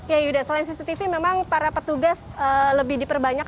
ya yuda selain cctv memang para petugas lebih diperbanyak